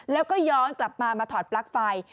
แล้วก็ย้อนกลับมามาถอดปลั๊กไฟ